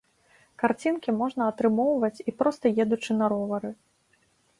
Карцінкі можна атрымоўваць і проста едучы на ровары.